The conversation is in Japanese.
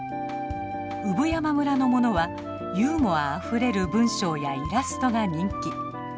産山村のものはユーモアあふれる文章やイラストが人気。